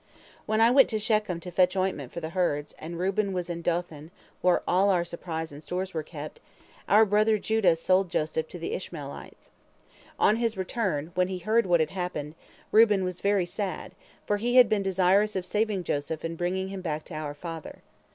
When I went to Shechem to fetch ointment for the herds, and Reuben was in Dothan, where all our supplies and stores were kept, our brother Judah sold Joseph to the Ishmaelites. On his return, when he heard what had happened, Reuben was very sad, for he had been desirous of saving Joseph and bringing him back to our father.